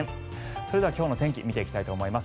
それでは今日の天気を見ていきたいと思います。